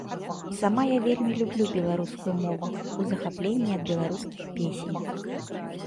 Сама я вельмі люблю беларускую мову, у захапленні ад беларускіх песень.